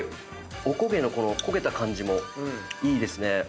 おこげのこの焦げた感じもいいですね。